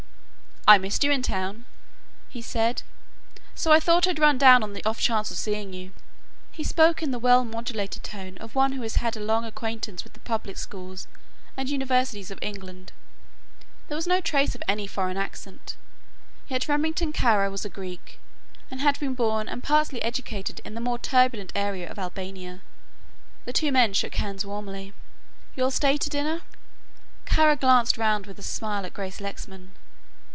"I missed you in town," he said, "so I thought I'd run down on the off chance of seeing you." He spoke in the well modulated tone of one who had had a long acquaintance with the public schools and universities of England. There was no trace of any foreign accent, yet Remington Kara was a Greek and had been born and partly educated in the more turbulent area of Albania. The two men shook hands warmly. "You'll stay to dinner?" Kara glanced round with a smile at Grace Lexman.